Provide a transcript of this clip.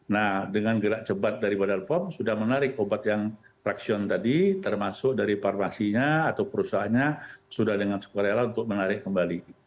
nah dengan gerak cepat dari badan pom sudah menarik obat yang fraksion tadi termasuk dari farmasinya atau perusahaannya sudah dengan sukarela untuk menarik kembali